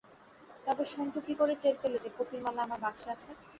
তবে সন্তু কি করে টের পেলে যে পুতির মালা আমার বাক্সে আছে?